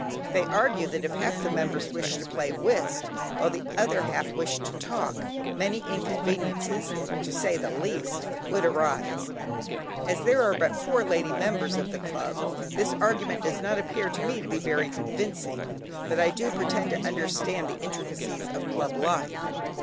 They argue that if half the members wish to play whist, and the other half wished to talk, many inconveniences (to say the least) would arise. As there are but four lady members of the club, this argument does not appear to me to be convincing, but I do not pretend to understand the intricacies of club life.